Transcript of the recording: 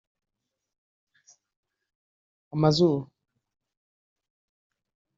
amazuru